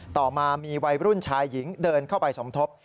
ต่อมามีวัยรุ่นชายหญิงเดินเข้าไปสมทบ